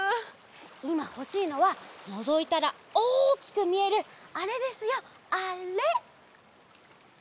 いまほしいのはのぞいたらおおきくみえるあれですよあれ！